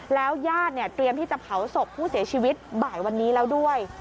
แล้วญาติเนี่ยเตรียมที่จะเผาศพผู้เสียชีวิตบ่ายวันนี้แล้วด้วย